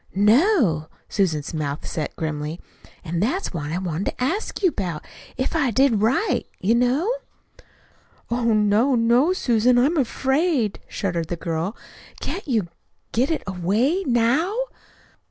"No." Susan's mouth set grimly. "An' that's what I wanted to ask you about if I did right, you know." "Oh, no, no, Susan! I'm afraid," shuddered the girl. "Can't you get it away now?"